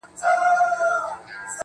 دا درېيم ځل دی چي مات زړه ټولوم_